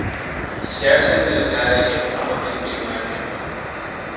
siyaayasa nira n-daa lahi nyɛ paɣiba mini bihi maa kpɛma.